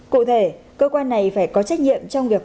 cụ thể cơ quan này phải có trách nhiệm trong việc